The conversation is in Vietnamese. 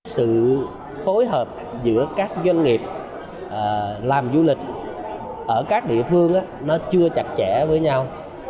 sự phối hợp giữa các doanh nghiệp làm du lịch ở các địa phương chưa chặt chẽ với nhau